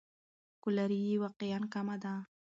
کالوري یې واقعاً کمه ده.